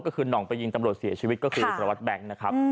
ก็คือหน่องไปยิงตำรวจเสียชีวิตก็คือสารวัตรแบงค์นะครับ